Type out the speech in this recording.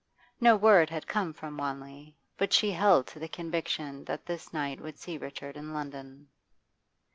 No word had come from Wanley, but she held to the conviction that this night would see Richard in London.